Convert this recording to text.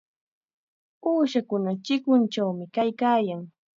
Uushakunaqa chikunchawmi kaykaayan.